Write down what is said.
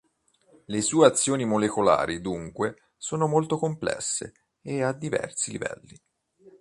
Le sue azioni molecolari, dunque, sono molto complesse e a diversi livelli.